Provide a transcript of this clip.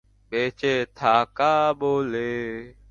বেঁচে থাকা বলে।